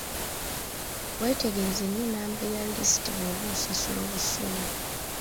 Weetegereze nnyo nnamba ya lisiiti bw'oba osasula obusuulu.